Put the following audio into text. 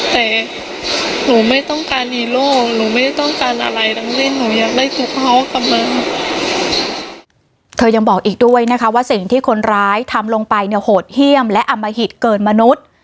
แต่หนูไม่ต้องการฮีโร่หนูไม่ได้ต้องการอะไรทั้งสิ้นหนูยังไม่คุกเขากำลังเธอยังบอกอีกด้วยนะคะว่าสิ่งที่คนร้ายทำลงไปเนี่ยโหดเยี่ยมและอมหิตเกินมนุษย์